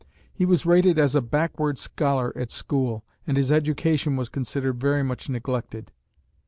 He was rated as a backward scholar at school, and his education was considered very much neglected.